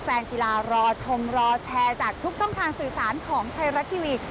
แฟนกีฬารอชมรอแชร์จากทุกช่องทางสื่อสารของไทยรัฐทีวี